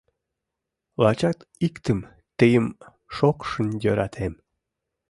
Лачак иктым, тыйым, шокшын йӧратем.